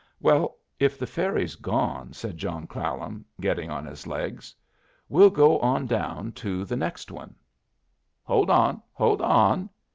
"Well, if the ferry's gone," said John Clallam, getting on his legs, "we'll go on down to the next one." "Hold on! hold on!